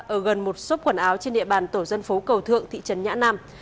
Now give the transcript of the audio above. ở gần một số quần áo trên địa bàn tổ dân phố cầu thượng thị trấn nhã nam